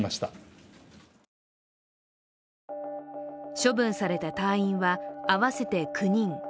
処分された隊員は合わせて９人。